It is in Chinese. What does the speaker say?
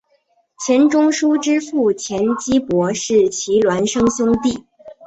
钱钟书之父钱基博是其孪生兄弟。